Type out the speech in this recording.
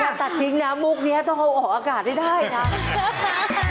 อย่าตัดทิ๊กนะมุกนี้ต้องเอาออกอากาศได้น่ะ